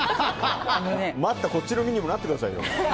待ったこっちの身にもなってくださいよ。